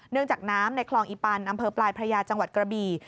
จากน้ำในคลองอีปันอำเภอปลายพระยาจังหวัดกระบี่